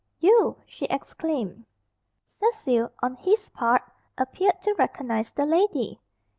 "You!" she exclaimed. Cecil, on his part, appeared to recognise the lady.